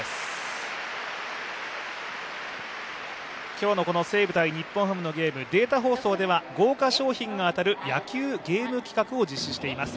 今日の西武×日本ハムの試合、豪華賞品が当たる野球ゲーム企画を実施しています。